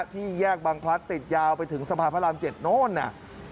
ที่แยกบังพลัดติดยาวไปถึงสะพานพระราม๗โน้นน่ะ